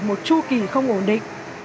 một chu kỳ không ổn định